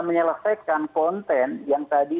menyelesaikan konten yang tadi